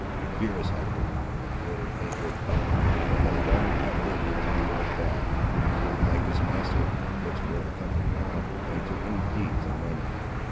Here is Hector, a good and faithful pup, that has long outlived the time of a dog; and, like his master, he looks more to comfort now, than to any deeds in running.